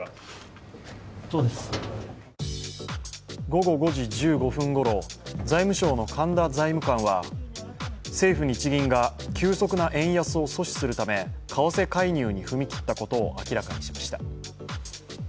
午後５時１５分ごろ、財務省の神田財務官は政府・日銀が急速な円安を阻止するため為替介入に踏み切ったことを明らかにしました。